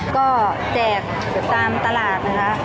ก็แจกตามตลาดนะคะ